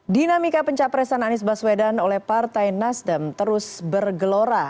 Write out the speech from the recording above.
dinamika pencapresan anies baswedan oleh partai nasdem terus bergelora